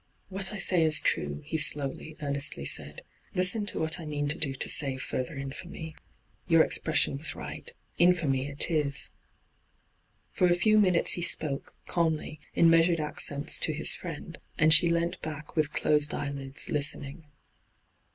' What I say is true,' he slowly, earnestly said. ' Listen to what I mean to do to save further infemy. Your expression was right — infamy it is I* For a few minutes he spoke, calmly, in measured accents, to his friend, and she leant back with closed eyelids, listening.